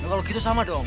kalau gitu sama dong